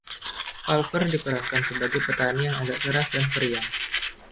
Palver diperankan sebagai petani yang agak keras dan periang.